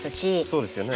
そうですね。